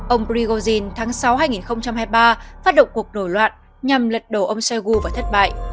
ông prigozhin tháng sáu hai nghìn hai mươi ba phát động cuộc đổi loạn nhằm lật đổ ông shoigu và thất bại